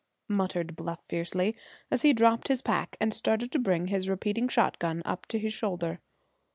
muttered Bluff fiercely, as he dropped his pack and started to bring his repeating shotgun up to his shoulder.